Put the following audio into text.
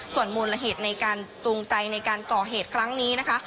ส่วนมูลละเหตุในการจูงใจในการก่อเหตุครั้งนี้นะคะ